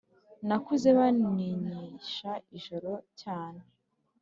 Nakuze baninyisha ijoro cyane